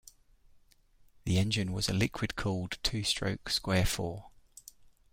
The engine was a liquid-cooled two-stroke square four.